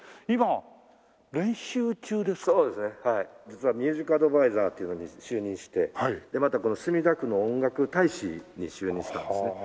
実はミュージック・アドヴァイザーというのに就任してまたこの墨田区の音楽大使に就任したんですね。